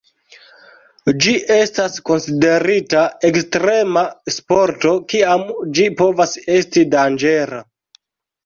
Ĝi estas konsiderita ekstrema sporto, kiam ĝi povas esti danĝera.